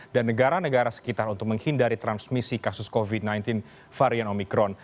dan negara negara sekitar untuk menghindari transmisi kasus covid sembilan belas varian omikron